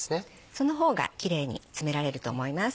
その方がキレイに詰められると思います。